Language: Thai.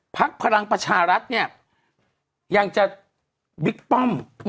พลังประชารัฐเนี่ยยังจะบิ๊กป้อม